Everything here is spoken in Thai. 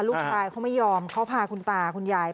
ลูกชายเขาไม่ยอมเขาพาคุณตาคุณยาย